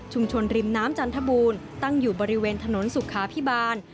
ริมน้ำจันทบูรณ์ตั้งอยู่บริเวณถนนสุขาพิบาล